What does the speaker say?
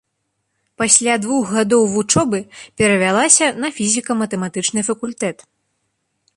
Пасля двух гадоў вучобы перавялася на фізіка-матэматычны факультэт.